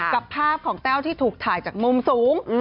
กับภาพของแต้วที่ถูกถ่ายจากมุมสูง